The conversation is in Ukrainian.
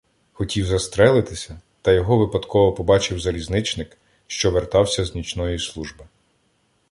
Хотів застрелитися, та його випадково побачив залізничник, що вертався з нічної служби.